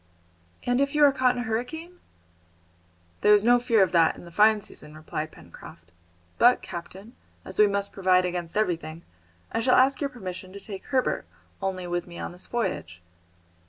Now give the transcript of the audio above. "And if you are caught in a hurricane?" "There is no fear of that in the fine season," replied Pencroft. "But, captain, as we must provide against everything, I shall ask your permission to take Herbert only with me on this voyage."